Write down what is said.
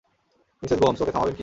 Mrs Gomes, ওকে থামাবেন কি?